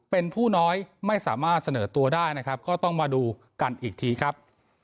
เป็นผู้น้อยไม่สามารถเสนอตัวได้นะครับก็ต้องมาดูกันอีกทีครับ